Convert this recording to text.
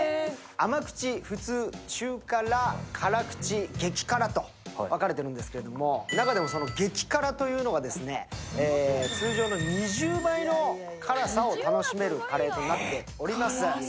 甘口、普通、中辛、辛口、激辛と分かれているんですけれども中でも激辛というのが通常の２０倍の辛さを楽しめるカレーとなっております。